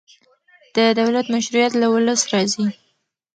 د دولت مشروعیت له ولس راځي